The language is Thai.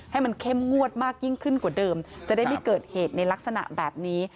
ให้มันเข้มงวดมากยิ่งขึ้นกว่าเดิมจะได้ไม่เกิดเหตุในลักษณะแบบนี้